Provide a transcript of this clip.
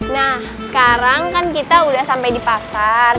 nah sekarang kan kita udah sampai di pasar